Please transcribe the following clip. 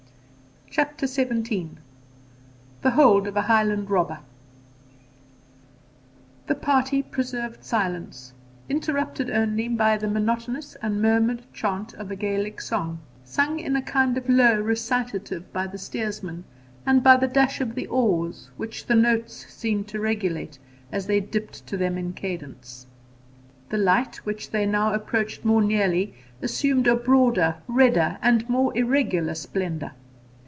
CHAPTER XVII THE HOLD OF A HIGHLAND ROBBER The party preserved silence, interrupted only by the monotonous and murmured chant of a Gaelic song, sung in a kind of low recitative by the steersman, and by the dash of the oars, which the notes seemed to regulate, as they dipped to them in cadence. The light, which they now approached more nearly, assumed a broader, redder and more irregular splendour.